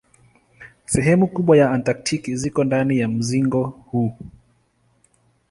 Sehemu kubwa ya Antaktiki ziko ndani ya mzingo huu.